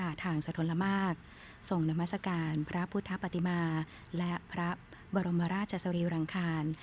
ยาตราทางโสโทรมากส่งนามสการพระพุทธปฏิมาและพระบหรมราชจัสหรีหรังคัน